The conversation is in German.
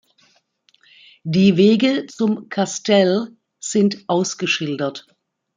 Die Wege zum "Castell" sind ausgeschildert.